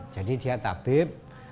jadi dia tabib